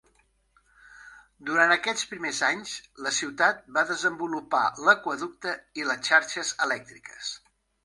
Durant aquests primers anys, la ciutat va desenvolupar l'aqüeducte i les xarxes elèctriques.